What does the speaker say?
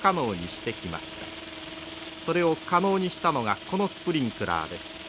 それを可能にしたのがこのスプリンクラーです。